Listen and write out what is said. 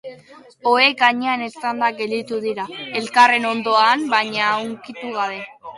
Ohe gainean etzanda gelditu dira, elkarren ondoan baina ukitu gabe.